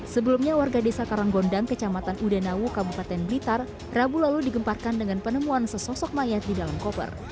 sebelumnya warga desa karanggondang kecamatan udenawu kabupaten blitar rabu lalu digemparkan dengan penemuan sesosok mayat di dalam koper